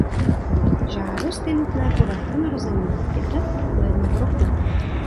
Žádost je nutné podat po narození dítěte do jednoho roku.